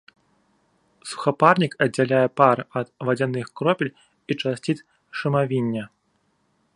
Сухапарнік аддзяляе пар ад вадзяных кропель і часціц шумавіння.